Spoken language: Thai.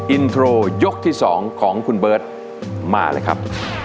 อินโทรยกที่๒ของคุณเบิร์ตมาเลยครับ